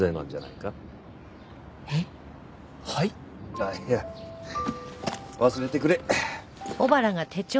あっいや忘れてくれ。